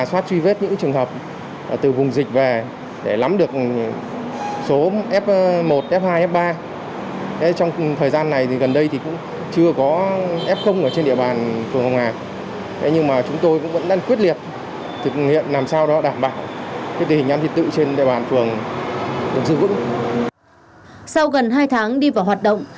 sau gần hai tháng đi vào hoạt động